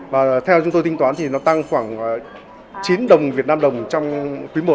và theo chúng tôi tính toán thì nó tăng khoảng chín đồng việt nam đồng trong quý i